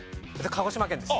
鹿児島県です。